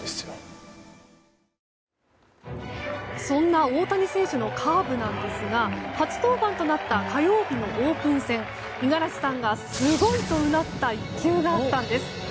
そんな大谷選手のカーブなんですが初登板となった火曜日のオープン戦五十嵐さんがすごいとうなった１球があったんです。